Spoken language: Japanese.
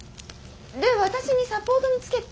で私にサポートにつけって？